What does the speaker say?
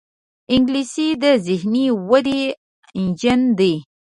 انګلیسي د ذهني ودې انجن دی